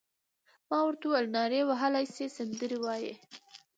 ما ورته وویل: نارې وهلای شې، سندرې وایې؟